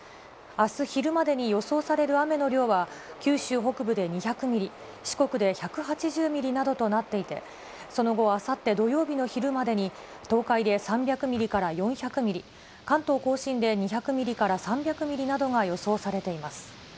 あす昼までに予想される雨の量は、九州北部で２００ミリ、四国で１８０ミリなどとなっていて、その後、あさって土曜日の昼までに東海で３００ミリから４００ミリ、関東甲信で２００ミリから３００ミリなどが予想されています。